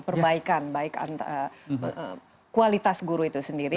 perbaikan baik kualitas guru itu sendiri